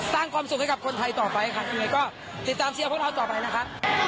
สร้างความสุขให้กับคนไทยต่อไปค่ะยังไงก็ติดตามเชียร์พวกเราต่อไปนะครับ